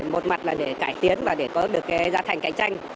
một mặt là để cải tiến và để có được cái giá thành cạnh tranh